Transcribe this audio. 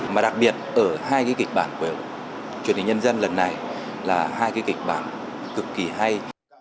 mà đặc biệt ở hai cái kịch bản của truyền hình nhân dân lần này là hai cái kịch bản cực kỳ hay